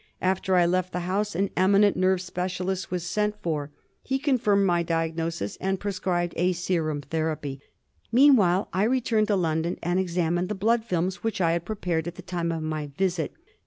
After I left the house an eminent nerve specialist was sent for. He confirmed my diagnosis and prescribed a serum therapy. Meanwhile I returned to London and examined the blood films which I had pre pared at the time of my visit.